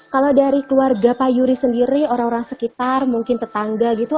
kalau dari keluarga pak yuri sendiri orang orang sekitar mungkin tetangga gitu